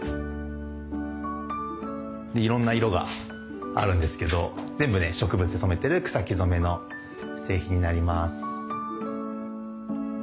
いろんな色があるんですけど全部ね植物で染めてる草木染めの製品になります。